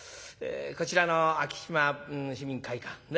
こちらの昭島市民会館ね